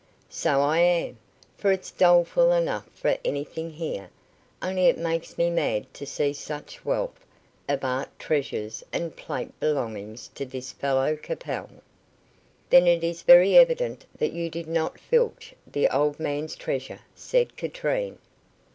"So I am, for it's doleful enough for anything here, only it makes me mad to see such a wealth of art treasures and plate belonging to this fellow Capel." "Then it is very evident that you did not filch the old man's treasure," said Katrine.